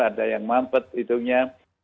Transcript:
ada yang mampet hidungnya